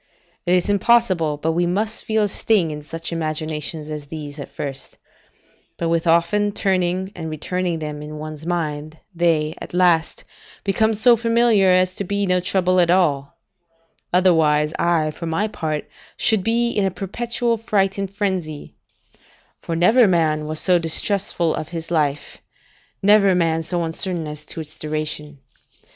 It is impossible but we must feel a sting in such imaginations as these, at first; but with often turning and returning them in one's mind, they, at last, become so familiar as to be no trouble at all: otherwise, I, for my part, should be in a perpetual fright and frenzy; for never man was so distrustful of his life, never man so uncertain as to its duration.